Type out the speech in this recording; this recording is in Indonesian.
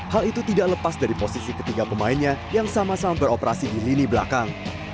hal itu tidak lepas dari posisi ketiga pemainnya yang sama sama beroperasi di lini belakang